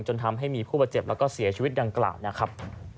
จนทำให้มีผู้บาดเจ็บแล้วก็เสียชีวิตดังกล่าวนะครับ